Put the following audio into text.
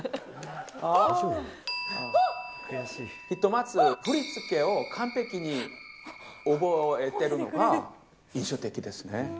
ひとまず、振り付けを完璧に覚えてるのが印象的ですね。